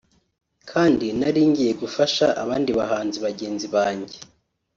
kandi nari ngiye gufasha abandi bahanzi bagenzi banjye